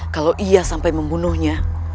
kalau ia sampai membunuhnya